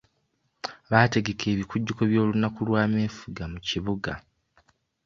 Baategeka ebikujjuko by'olunaku lw'ameefuga mu kibuga.